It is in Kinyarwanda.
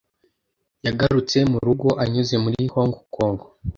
Yagarutse mu rugo anyuze muri Hong Kong.